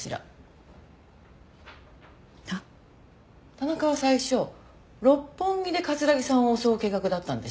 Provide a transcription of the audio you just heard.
田中は最初六本木で城さんを襲う計画だったんでしょ。